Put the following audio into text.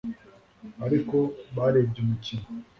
Ariko barebye umukino